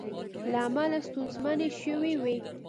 له امله ستونزمنې شوې وې